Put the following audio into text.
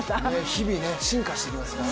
日々進化していきますからね。